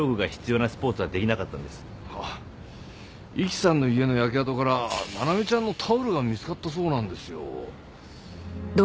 壱岐さんの家の焼け跡からナナメちゃんのタオルが見つかったそうなんですよ。